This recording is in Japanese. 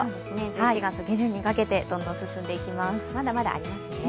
１１月下旬にかけて、どんどん進んでいきます。